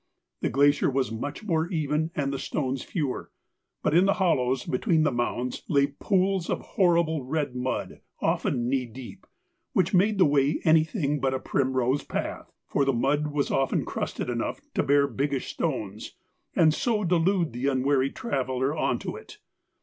The glacier was much more even and the stones fewer, but in the hollows between the mounds lay pools of horrible red mud often knee deep, which made the way anything but a primrose path, for the mud was often crusted enough to bear biggish stones, and so deluded the unwary traveller on to it.